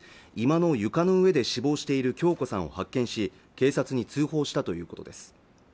居間の床の上で死亡している恭子さんを発見し警察に通報したということです